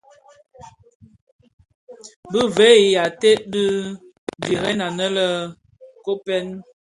Bi veg i ateghèn diren aně le Koppen,